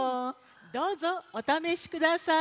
どうぞおためしください。